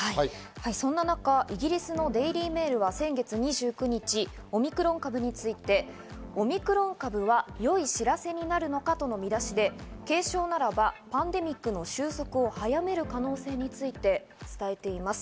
そんな中、イギリスのデイリーメールは先月の２９日、オミクロン株について、オミクロン株は良い知らせになるのか？との見出しで、軽症ならばパンデミックの収束を早める可能性について伝えています。